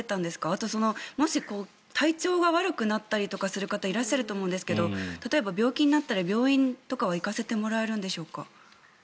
あと、もし体調が悪くなったりとかする方いらっしゃると思うんですけど例えば、病気になったら病院とかは行かせてもらえるんでしょうか。